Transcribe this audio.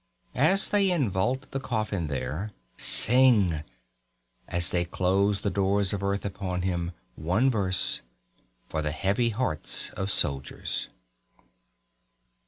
As they invault the coffin there, Sing as they close the doors of earth upon him one verse, For the heavy hearts of soldiers.